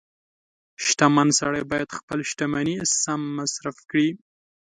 • شتمن سړی باید خپله شتمني سم مصرف کړي.